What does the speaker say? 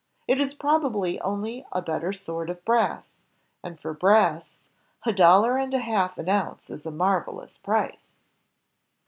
It is probably only a better sort of brass; and for brass ... a dollar and a half an ounce is a marvelous price."